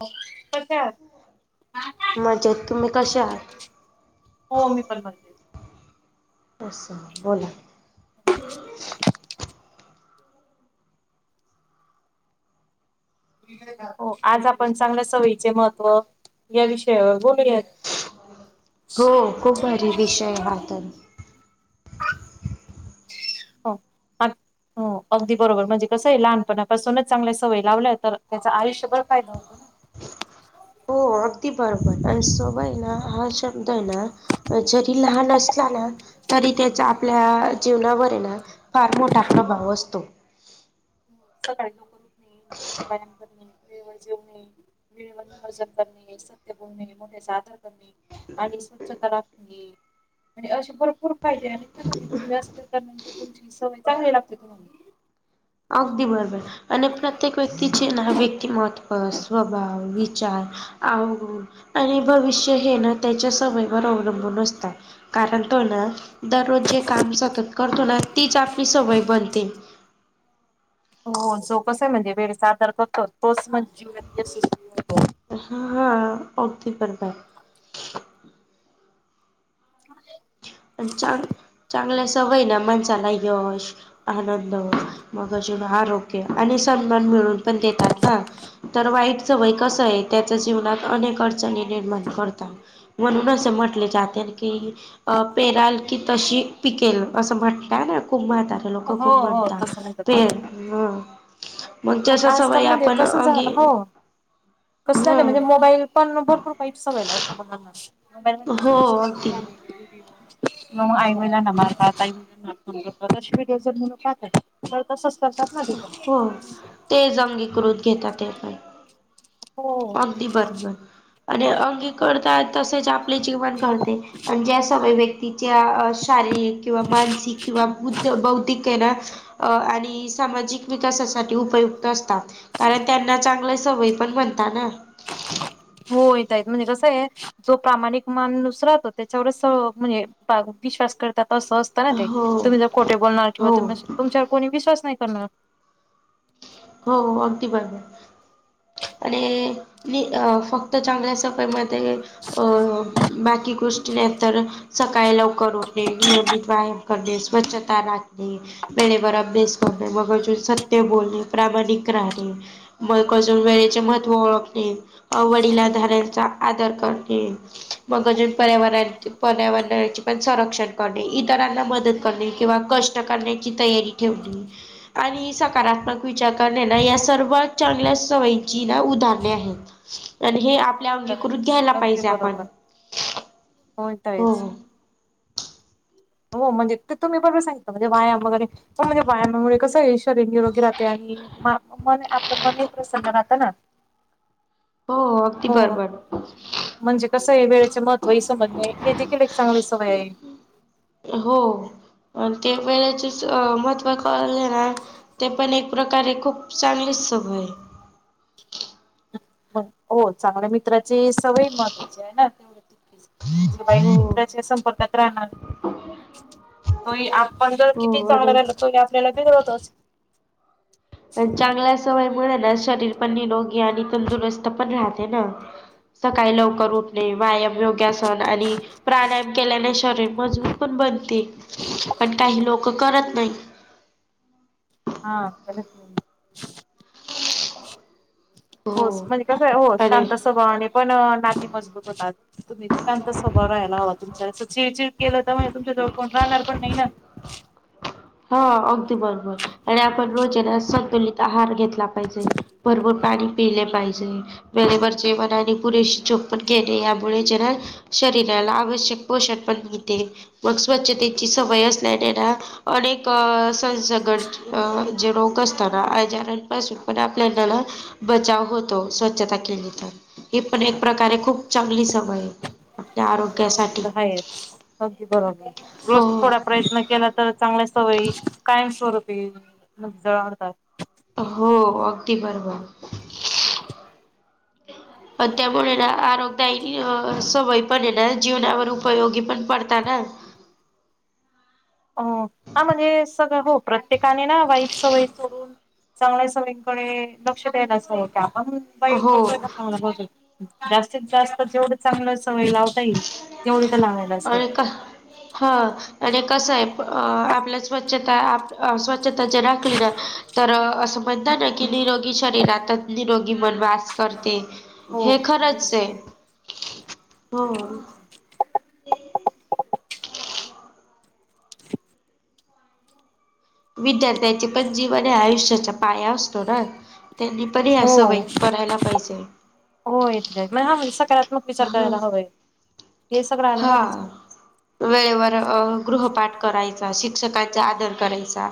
[unintelligible] मजेत तुम्ही कशा आहात हो मी पण बनते. असच म, बोला. [unintelligible] हो, आज आपण चांगल्या सवयीचे महत्त्व, या विषयावर बोलूयात. हो, खूप भारी विषय हा तर. [unintelligible] हो, अगदी बरोबर म्हणजे कसं हाय, लहानपणापासूनच चांगल्या सवय लावल्या तर, त्याच आयुष्यभर फायदा होतो. हो अगदी बरोबर आणि सोबय ना, हा शब्द आहे ना जरी लहान असला ना. तरी त्याचा आपल्या जीवनावर हे ना, फार मोठा प्रभाव असतो. [unintelligible] वेळेवर नियोजन करणे, सत्य बोलणे, मोठे साधर करणे. आणि स्वच्छता राखणे, म्हणजे असे भरपूर पाहिजे आणि, तुम्ही असं केल्यानंतर तुमची सवय चांगली लागते तुम्हाला. अगदी बरोबर. आणि प्रत्येक व्यक्तीचे ना, व्यक्तिमत्व, स्वभाव, विचार आणि भविष्य हे ना त्याच्या सवयवर अवलंबून असतात. कारण तो ना, दररोज जे काम सतत करतो ना, तीच आपली सवय बनते. हो जो कस हाय म्हणजे, वेळ सादर करतो तोच म जीव हा, हा पावती करतात. [inaudible] आणि चांग, चांगल्या सवय ना माणसाला यश आनंद होतो, मग अजून आरोग्य आणि सन्मान मिळून पण देतात ना. तर वाईट सवय कस हाय, त्याच्या जीवनात अनेक अडचणी निर्माण करतात. म्हणून असं म्हटले जात्यात की पेराल की तशी पिकेल, असं म्हणता ना, खुप माता. लोक हो खूप हो म्हणतात, तसं म्हणतात ते मग जशा सवयी आजकालमध्ये आपण कसं झा, अंगी हो. कसं ह झालं म्हणजे मोबाईल [unintelligible] हो अगदी मग आई -वडिलांनालाना मारतात, आई वडील मारतोय प्रदर्शित करतोय मुलं पाहतात. तर तसंच करतात ना तिथं. हो [unintelligible] घेतात ते पण. हो. ते बरोबर आणि अंगी करता तसेच आप. पले जीवन कळते आणि ज्या सर्व व्यक्तींची त्या शारीरिक किंवा मानसिक किंवा बुध्द बौद्धिक आहे ना आणि सामाजिक विकासासाठी उपयुक्त असतात. कारण त्यांना चांगल्या सवयी पण म्हणता ना. होय ताई, म्हणजे कसं आहे जो प्रामाणिक माणूस राहतो त्याच्यावर म्हणजे विश्वास करतात असं अस तन ते, हो तुम्ही जर खोटे बोलणार किंवा हो तुम्ही तुमच्यावर कोणी विश्वास नाही करणार. हो, अगदी बरोबर. आणि मी फक्त चांगल्या सवयी मधे हो.. हो. बाकी गोष्टी नाही तर सकाळी लवकर उठणे, नियमित व्यायाम करणे, स्वच्छता राखणे वेळेवर अभ्यास करणे व अजून सत्य बोलणे प्रामाणिक राहणे मग अजून वेळेचे महत्त्व ओळखणे, वडिलाधाऱ्यांचा आदर करणे. मग अजून पर्यावर पर्यावरणाचे पण संरक्षण करणे, इतरांना मदत करणे किंवा कष् ष्ट करण्याची तयारी ठेवणे आणि सकारात्मक विचार करणे ना, या सर्व चांगल्या सवयीची ना उदारणे आहेत आणि हे आप हो पल्या तर अंगीकृत आहेच घ्यायला पाहिजे आपण. होय हो ताईच. हो म्हणजे ते तुम्ही बरोबर सांगितलं, म्हणजे व्यायाम वगैरे होय व्यायामामुळे कसं, आहे शरीर निरोगी राहते आणि म मन आपलं मनही प्रसन्न राहतं ना. हो. अगदी हो. बरोबर म्हणजे कसं आहे वेळेचे महत्त्वही समजणे, हे देखील एक चांगली सवय आहे. हो ते वेळेचेच महत्व कळाले ना. ते पण एक प्रकारे खूप चांगलीच सवय आहे. मग हो चांगल्या मित्राची सवय महत्त्वाची आहे ना ते वाईट आहे हो मित्राच्या संपर्कात राहणार. होय, आपण जर हो किती चांगलं आणि राहिल, तो आपल्याला बिघडवतोच. पण चांगल्या सवयीमुळे ना, शरीर पण निरोगी आणि तंदुरुस्त पण राहते ना. सकाळी लवकर उठणे, व्यायाम, योग्यासन आणि प्राणायाम केल्याने रिरे मजबूर पण बनती, पण काही लोक करत नाही. हा करत नाही. होस हो म्हणजे कसं हो अरे शांत अस स्वभावाने पण नाती मजबूत होतात. तुम्ही शांत स्वभाव राहायला हवा तुमच्या असं चिडचिड केलं तर म्हणजे तुमच्या जवळ कोण राहणार पण नाही ना. हा अगदी बरोबर. आणि आपण रोज आहे ना, संतुलित आहार घेत ला पाहिजे. भरपूर पाणी पिले पाहिजे. वेळेवर जेवण आणि पुरेशी झोप पण घेणे यामुळे जरा शरीराला आवश्यक पोषण पण मिळते. मग स्वच्छतेची सवय असल्याने ना अनेक संसगट जे रोग असताना, आजारांपासून पण आपल्या ना बचाव होतो स्वच्छता केली तर, ही पण एक प्रकारे खूप चांगली समय आहे. आपले आरोग्य ते तर हायच, अगदी बरोबर, रोज हो थोडा प्रयत्न केला तर चांगल्या सवयी कायमस्वरूपी [unintelligible] जळवतात हो, अगदी बरोबर. पण त्यामुळे ना आरोगदायी सवयी पडलेल्या जीवनावर उपयोगी पण पडतात ना. अं, आमानी सगळं हो प्रत्येकाने ना वाईट सवय सोडून चांगल्या सगळीकडे लक्ष द्यायला [inaudible] अस क आपण बाईक हो करतोय का चांगलं बाजून जास्तीत जास्त जेवढं चांगल्या सवयी लावता येईल तेवढी तर लावाय. होय का, हा. आणि कसं आहे, आपल्या स्वच्छता, स्वच्छता जर राखली ना. तर असं म्हणतात ना की निरोगी शरीरातच निरोगी वनवास करते. हे हो. खरंच आहे, हो. [inaudible] विद्यार्थ्यांचे पण जीवन हे आयुष्याच्या पाया असतो ना, त्यांनी परी असं होय करायला पाहिजे. होय [unintelligible] सकारात्मक विचार करायला हवाय. हे सगळं आलं ना त्याच्यात हा. वेळेवर गृहपाठ करायचा, शिक्षकांचा आदर करायचा.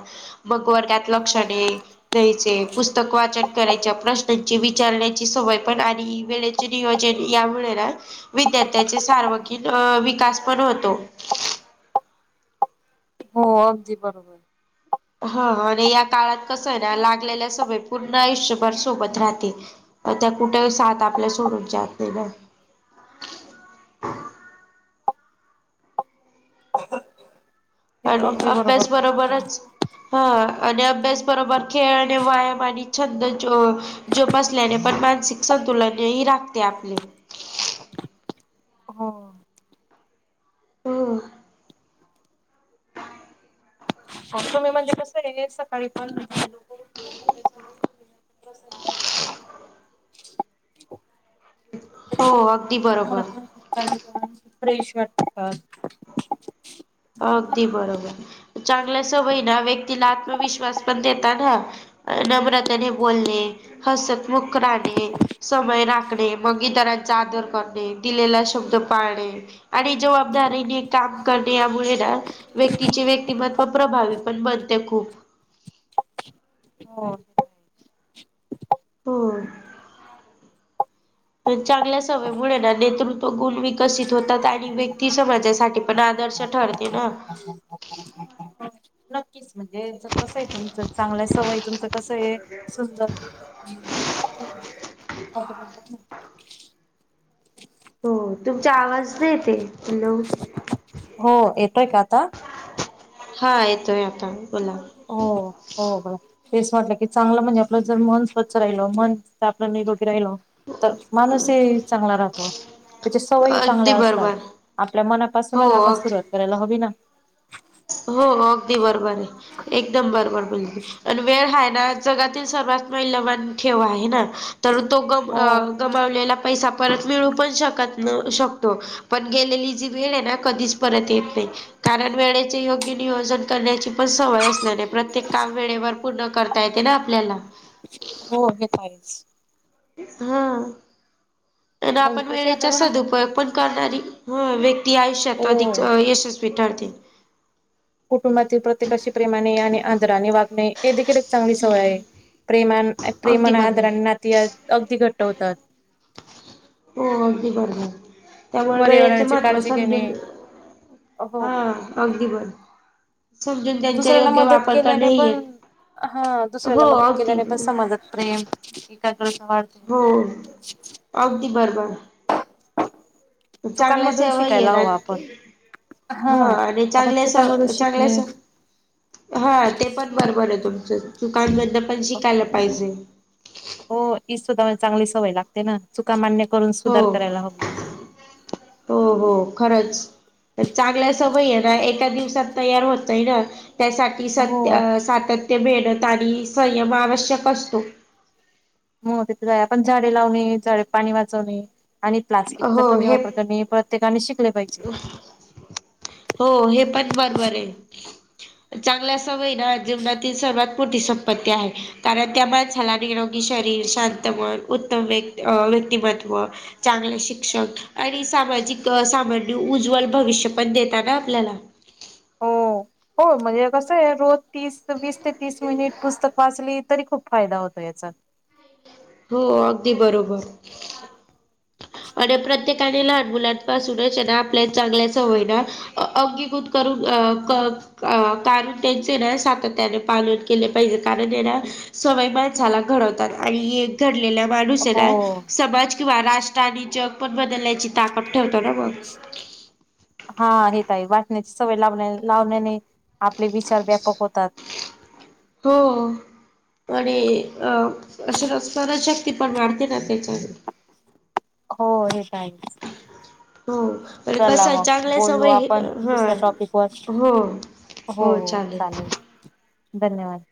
मग वर्गात हो लक्षणे दे-द्यायचे पुस्त पुस्तक वाचन करायच्या, प्रश्नांची विचारण्याची सवय पण आणि वेळेचे नियोजन त्यामुळे ना विद्यार्थ्याचे सार्वंगीण विकास पण होतो. हो, अगदी बरोबर. हा आणि या काळात कसं आहे ना, लागलेल्या सवयी पूर्ण आयुष्यभर सोबत राहतील. त्या कुठे साथ आपल्या सोडून जातला. हे तर आणि अगदी बरोबर अभ्यास बोलले तुम्ही बरोबरच. हा आणि अभ्यास बरोबर खेळ आणि व्यायाम आणि छंद जो जोपसल्याने पण मानसिक संतुलन ही राखते आपले. हो. हो. मग तुम्ही म्हणजे कसं यायचं सकाळी पण [unintelligible] हो अगदी बरोबर [inaudible] प्रेश वाटत. अगदी बरोबर, चांगल्या सवयी ना व्यक्तीला आत्मविश्वास पण देतात हा. अ, नम्रतेने बोलणे, हसतमुख राहणे. समय राखणे, मग इतरांचा आदर करणे, दिलेला शब्द पाळणे. आणि जबाबदारीने काम कर. यामुळे ना व्यक्तीचे व्यक्तिमत्व प्रभावी पण बनते खूप. हो. होय. पण चांगल्या सवयमुळे ना नेतृत्व गुण विकसित होतात आणि व्यक्ती समाजासाठी पण आदर्श ठरते ना. [inaudible] नक्कीच म्हणजे कसं आहे, तुमचं चांगल्या सवय तुमचं कसं आहे सुंदर [inaudible] हो तुमचा आवाज नाहीे येत आहे. हॅलो? हो, येतोय का आता? हा, येतोय आता बोला. हो हो बघ. तेच म्हटलं की चांगलं म्हणजे आपलं जर मन स्वच्छ राहिल मन आपल्या निरोगी राहिल तर माणूस ही चांगला राहतो. त्याच्या सवयी अगदी चांगल्या असतात. बरोबर आपल्या हो मनापासूनच आपण अग सुरवात करायला हवी ना! हो अगदी बरोबर आहे. एकदम बरोबर बोललीस आणि वेळ हा ना जगातील सर्वात मौल्यवान ठेवाआहे ना तर तो ग हो गमावलेला पैसा परत मिळू पण शकतो पण गेलेली जी वेळ आहे ना कधीच परत येत नाही. कारण वेळेचे योग्य नियोजन करण्याची पण सवय असल्याने प्रत्येक काम वेळेवर पूर्ण करता येते ना आपल्याला. हो हेेच आहेच. हा. ते म्हणजे आपण कसं आहे वेळेचा आपल्या म्हणा असदुपयोग करणारी व्यक्ती आयुष्यात अधिक हो यशस्वी ठरते. कुटुंबातील प्रत्येकाशी प्रेमाने आणि आदराने वागणे हे देखील एक चांगली सवय आहे. प्रेमा अगदी प्रेमान बरोबर. आदारने नाती अगदी घट्ट होतात. हो अगदी बरोबर. त्यामुळे वेळेचं पर्यावरणाची महत्त्व काळजी घेणे समजून हो हा अगदी बरोबर. समजून त्यांचा दुसऱ्याला योग्य मदत वापरता केल्याने नाही पण येत. हा दुसऱ्याला मदत केल्याने पण समाजात प्रेम एकाद्र वा हो. अगदी बरोबर. चांगल्या चुकांमधून सवय शिकायला येणार. हवं आपण. हा. आणि आपण चांगल्या स चुकांमधून चांगल्या शिकणे स हा ते पण बरोबर आहे तुमचं. चूकान मधून पण शिकायला पाहिजे. हो इ सुद्धा चांगली सवय लागते ना चुका मान्य करून हो सुधार करायला हवी. हो हो खरंच. तर चांगल्या सवय आहे ना एका दिवसात तयार होतं नाही ना त्यासाठी हो सत्य सातत्य, मेहनत आणि संयम आवश्यक असतो. मग ते त आहे आपण झाडे लावणे झाडे पाणी वाचवणे आणि प्लास्टिकचा हो कमी हे वापर करणे परत प्रत्येकाने शिकले पाहिजे. हो हे पण बरोबर आहे. चांगला सवय ना जीवनातील सर्वात मोठी संपत्ती आहे. कारण त्या माणसाला निरोगी शरीर, शांत उत्तम उत्तम व्यक्तिमत्व. चांगले शिक्षण आणि सामाजिक सामर्थ्य आणि उज्ज्वल भविष्य पण देता ना आपल्याला. हो. होय म्हणजे कसं आहे रोज तीस वीस ते तीस मिनिट पुस्तक वाचली तरी खूप फायदा होतो याचा. हो अगदी बरोबर. आणि प्रत्येकाने लहान मुलांपासूनच आहे ना आपल्या चांगल्या सवय ना अंगीकृत करून अ अ कारण त्यांच ना सातत्याने पालन केले पाहिजे. कारण हे ना सवय माणसाला घडवतात आणि घडलेला माणुस हेना हो समाज किंवा राष्ट्र आणि जग पण बदलण्याची ताकद ठेवतो ना मग. हा आणि ताई वाटण्याची सवय लावण्या लावण्याने आपले विचार व्यापक होतात. हो. आणि अ स्म स्मरणशक्ती पण वाढते ना त्याच्याने. हो हे काही. हो आणि चलां कसं मंग चांगल्या बोलूं सवय आपणं हा दुसऱ्यां टॉपिक वरं हो हो हो चालेल धन्यंवाद